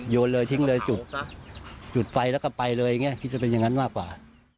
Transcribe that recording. เลยทิ้งเลยจุดจุดไฟแล้วก็ไปเลยอย่างนี้คิดจะเป็นอย่างนั้นมากกว่า